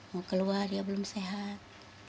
mau keluar dia belum sehat